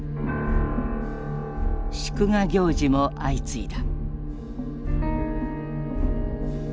祝賀行事も相次いだ。